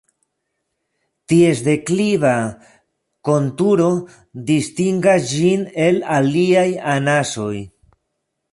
Ties dekliva konturo distingas ĝin el aliaj anasoj.